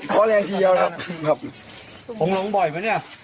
ขอแรงทีเอาครับครับผมลงบ่อยไหมเนี้ย